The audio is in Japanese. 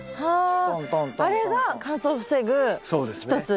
あれが乾燥を防ぐ一つ？